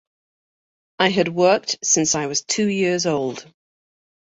I had worked since I was two years old.